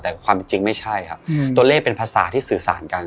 แต่ความจริงไม่ใช่ครับตัวเลขเป็นภาษาที่สื่อสารกัน